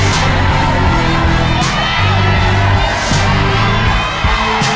ต้องเร็วกว่านี่